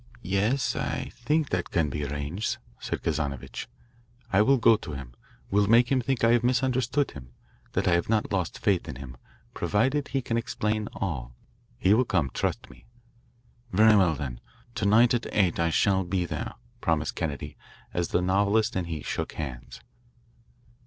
"Yes, I think that can be arranged," said Kazanovitch. "I will go to him, will make him think I have misunderstood him, that I have not lost faith in him, provided he can explain all. He will come. Trust me." "Very well, then. To night at eight I shall be there," promised Kennedy, as the novelist and he shook hands.